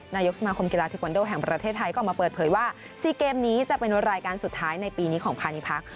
นายกสมาคมกีฬาเทควันโดแห่งประเทศไทยก็ออกมาเปิดเผยว่า๔เกมนี้จะเป็นรายการสุดท้ายในปีนี้ของพาณิพักษ